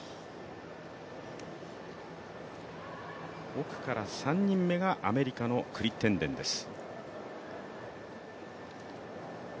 奥から３人目がアメリカのクリッテンデンです。